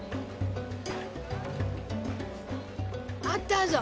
あったぞ！